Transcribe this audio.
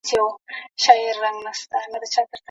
ماشوم په خپل سوې ساه سره د خوښۍ ناره وکړه.